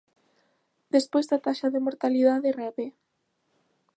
Despois a taxa de mortalidade rebe.